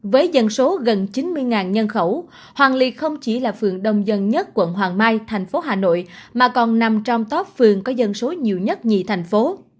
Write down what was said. với dân số gần chín mươi nhân khẩu hoàng liệt không chỉ là phường đông dân nhất quận hoàng mai thành phố hà nội mà còn nằm trong top phường có dân số nhiều nhất nhì thành phố